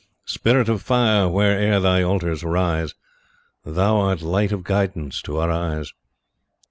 Spirit of Fire, where'er Thy altars rise. Thou art Light of Guidance to our eyes!